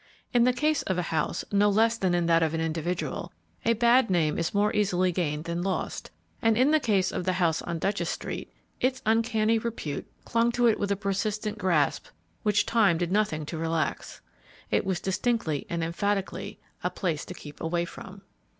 In the case of a house, no less than in that of an individual, a bad name is more easily gained than lost, and in the case of the house on Duchess street its uncanny repute clung to it with a persistent grasp which time did nothing to relax. It was distinctly and emphatically a place to keep away from.